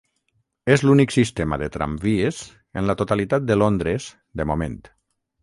És l'únic sistema de tramvies en la totalitat de Londres de moment.